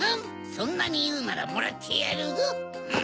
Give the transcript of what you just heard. そんなにいうならもらってやるぞ。